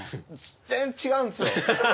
全然違うんですよ。